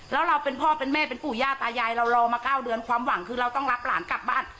แล้วเราเป็นพ่อเป็นแม่เป็นปู่ย่าตายายเรารอมา๙เดือนความหวังคือเราต้องรับหลานกลับบ้าน